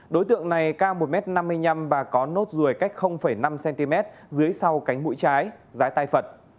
đối tượng này cao một m năm mươi năm và có nốt ruồi cách năm cm dưới sau cánh mũi trái rái tay phật